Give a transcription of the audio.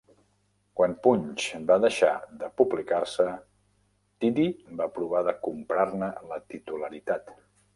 Quan "Punch" va deixar de publicar-se, Tidy va provar de comprar-ne la titularitat.